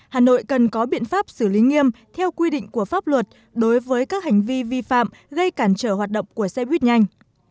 hà nội cần có biện pháp xử lý nghiêm theo quy định của pháp luật đối với các hành vi vi phạm gây cản trở hoạt động của xe buýt nhanh